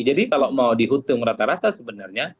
jadi kalau mau dihutung rata rata sebenarnya